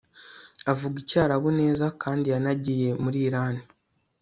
Avuga Icyarabu neza kandi yanagiye muri Irani